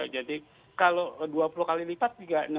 jadi kalau dua puluh kali lipat tiga puluh enam